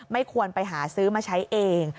ไม่ควรไปหาซื้อมาใช้เอง